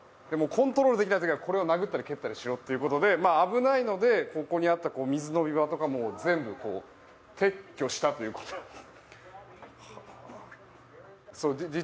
コントロールできない時はこれを殴ったり蹴ったりしろということで危ないので、ここにあった水飲み場とかを全部撤去したということです。